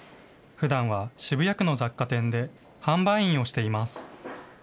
ふだんは渋谷区の雑貨店で、販売員をしています。